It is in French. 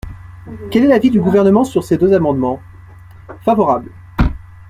Quel est l’avis du Gouvernement sur ces deux amendements ? Favorable.